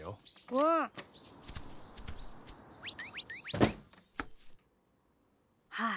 うん。はっ！